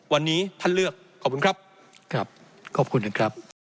วันนี้ท่านเลือกขอบคุณครับ